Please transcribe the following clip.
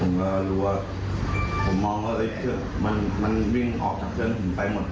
ผมก็รู้ว่าผมมองว่ามันวิ่งออกจากเครื่องผมไปหมด